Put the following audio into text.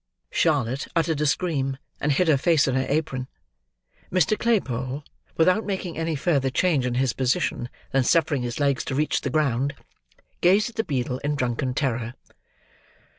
Charlotte uttered a scream, and hid her face in her apron. Mr. Claypole, without making any further change in his position than suffering his legs to reach the ground, gazed at the beadle in drunken terror.